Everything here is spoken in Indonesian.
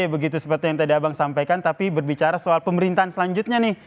begitu seperti yang tadi abang sampaikan tapi berbicara soal pemerintahan selanjutnya nih